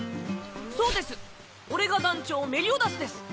そうです俺が団長メリオダスです！